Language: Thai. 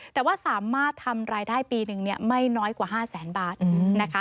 แต่ว่าสามารถทำรายได้ปีหนึ่งไม่น้อยกว่า๕แสนบาทนะคะ